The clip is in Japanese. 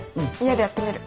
家でやってみる。